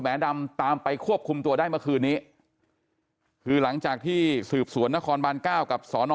ยอมมหลบต่างสถาบัน